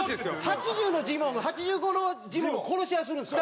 ８０のジモンが８５のジモンと殺し合いするんですか？